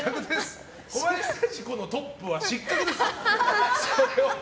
小林さんのトップは失格でしょ。